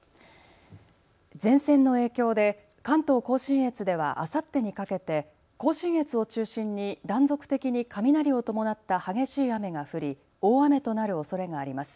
前線の影響で関東甲信越ではあさってにかけて甲信越を中心に断続的に雷を伴った激しい雨が降り、大雨となるおそれがあります。